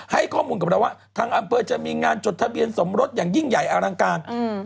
ให้ข้อมูลกับเราว่าทางอำเภอจะมีงานจดทะเบียนสมรสอย่างยิ่งใหญ่อลังการ